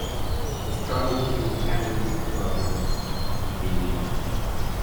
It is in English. The struggle between Henry's brothers continued.